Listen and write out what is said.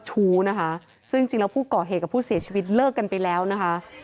ชู้นะคะซึ่งจริงแล้วผู้ก่อเหตุกับผู้เสียชีวิตเลิกกันไปแล้วนะคะ